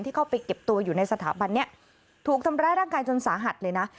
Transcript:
เข้าไปเก็บตัวอยู่ในสถาบันนี้ถูกทำร้ายร่างกายจนสาหัสเลยนะ